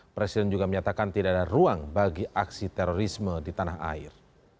presiden juga menyatakan tidak ada ruang bagi aksi terorisme di tanah air